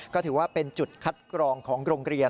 ก็ถือว่าเป็นจุดคัดกรองของโรงเรียน